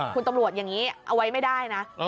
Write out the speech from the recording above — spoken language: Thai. คุณตำรวจอย่างนี้เอาไว้ไม่ได้นะ